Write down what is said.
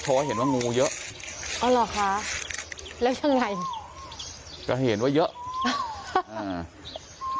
เพราะว่าเห็นว่างูเยอะอ๋อเหรอคะแล้วยังไงก็เห็นว่าเยอะอ่า